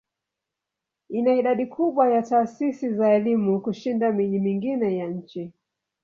Ina idadi kubwa ya taasisi za elimu kushinda miji mingine ya nchi.